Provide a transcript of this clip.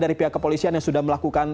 dari pihak kepolisian yang sudah melakukan